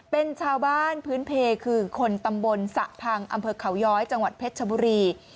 เป็นชาวบ้านพื้นเพลคือคนตำบลสะพังอำเภอเขาย้อยจังหวัดเพชรชบุรี